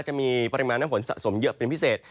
จะมีปริมาณน้ำฝนสะสมเยอะเป็นพิเศษ